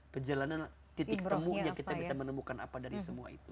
perjalanan titik temunya kita bisa menemukan apa dari semua itu